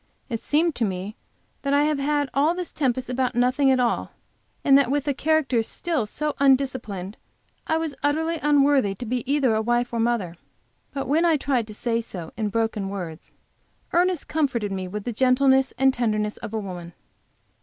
It seemed to me that I have had all this tempest about nothing at all, and that with a character still so undisciplined, I was utterly unworthy to be either a wife or a mother. But when I tried to say so in broken words, Ernest comforted me with the gentleness and tenderness of a woman.